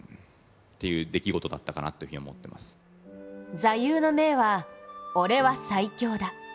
座右の銘は「俺は最強だ」。